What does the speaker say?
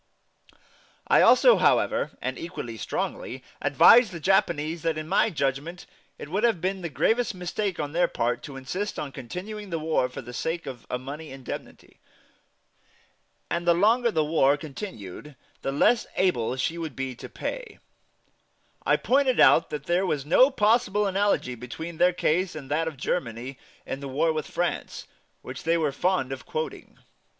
I also, however, and equally strongly, advised the Japanese that in my judgment it would be the gravest mistake on their part to insist on continuing the war for the sake of a money indemnity; for Russia was absolutely firm in refusing to give them an indemnity, and the longer the war continued the less able she would be to pay. I pointed out that there was no possible analogy between their case and that of Germany in the war with France, which they were fond of quoting.